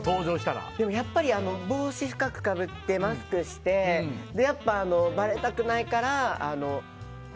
やっぱり帽子深くかぶってマスクしてばれたくないから。